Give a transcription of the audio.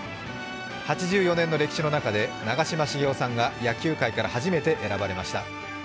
８４年の歴史の中で長嶋茂雄さんが野球界から初めて選ばれました。